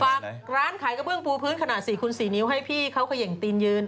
ร้านขายกระเบื้องปูพื้นขนาด๔คูณ๔นิ้วให้พี่เขาเขย่งตีนยืน